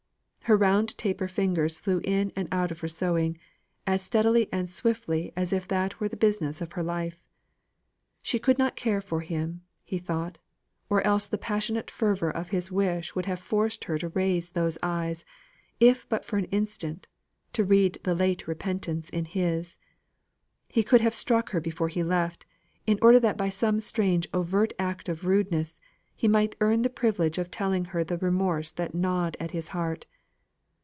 Her round taper fingers flew in and out of her sewing, as steadily and swiftly as if that were the business of her life. She could not care for him, he thought, or else the passionate fervour of his wish would have forced her to raise those eyes, if but for an instant, to read the late repentance in his. He could have struck her before he left, in order that by some strange overt act of rudeness, he might earn the privilege of telling her the remorse that gnawed at his heart.